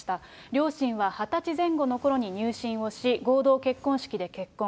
両親は２０歳前後のころに入信をし、合同結婚式で結婚。